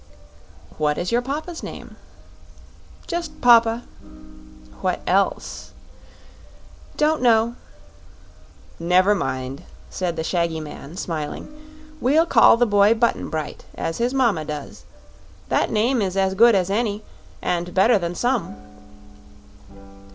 "What is your papa's name?" "Just Papa." "What else?" "Don't know." "Never mind," said the shaggy man, smiling. "We'll call the boy Button Bright, as his mama does. That name is as good as any, and better than some."